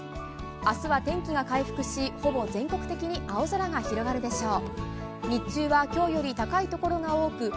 あすは天気が回復し、ほぼ全国的に青空が広がるでしょう。